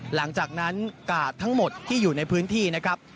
หลังจากนั้นกากทั้งหมดที่อยู่ในพื้นที่นะครับ